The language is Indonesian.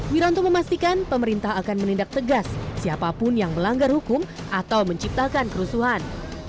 wiranto memastikan pemerintah akan menindak tegas siapapun yang melanggar hukum atau menciptakan kerusuhan